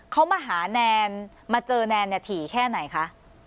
เขามาหาแนนมาเจอแนนเนี่ยถี่แค่ไหนคะ